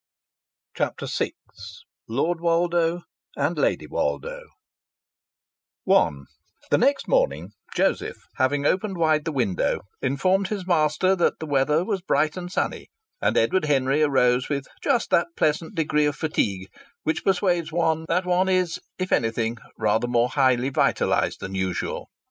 CHAPTER VI LORD WOLDO AND LADY WOLDO I The next morning, Joseph, having opened wide the window, informed his master that the weather was bright and sunny, and Edward Henry arose with just that pleasant degree of fatigue which persuades one that one is if anything rather more highly vitalized than usual.